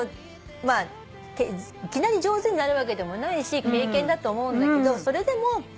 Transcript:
まあいきなり上手になるわけでもないし経験だと思うんだけどそれでも。